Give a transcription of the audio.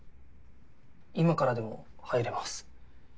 今からでも入れます。